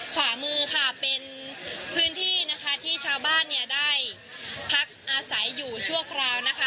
ขวามือค่ะเป็นพื้นที่นะคะที่ชาวบ้านเนี่ยได้พักอาศัยอยู่ชั่วคราวนะคะ